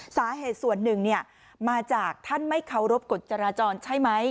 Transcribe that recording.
สาเหตุส่วนหนึ่งมาจากท่านไม่เคารพกฎจราจรใช่ไหม